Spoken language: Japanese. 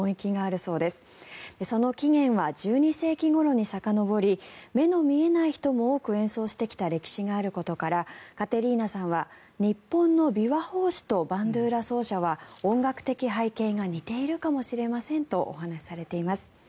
その起源は１２世紀ごろにさかのぼり目の見えない人も多く演奏してきた歴史があることからカテリーナさんは日本の琵琶法師とバンドゥーラ奏者は音楽的背景が似ているかもしれませんとお話しされています。